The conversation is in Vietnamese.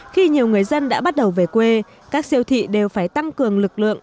khi nhiều người dân đã bắt đầu về quê các siêu thị đều phải tăng cường lực lượng